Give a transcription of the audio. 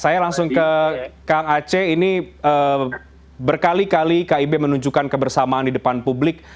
saya langsung ke kang aceh ini berkali kali kib menunjukkan kebersamaan di depan publik